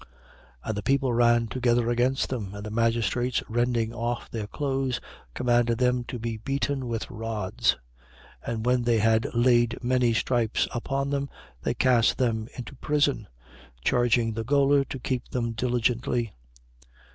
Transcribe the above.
16:22. And the people ran together against them: and the magistrates, rending off their clothes, commanded them to be beaten with rods. 16:23. And when they had laid many stripes upon them, they cast them into prison, charging the gaoler to keep them diligently.